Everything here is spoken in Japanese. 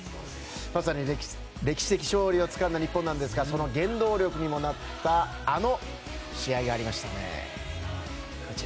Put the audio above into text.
まさに歴史的勝利をつかんだ日本ですがその原動力にもなったあの試合がありましたね。